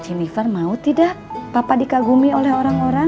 jennifer mau tidak papa dikagumi oleh orang orang